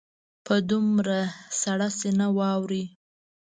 په دومره سړه سینه واوري.